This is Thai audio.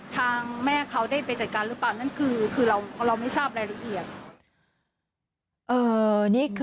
ฟังเสียงคุณแม่และก็น้องที่เสียชีวิตค่ะ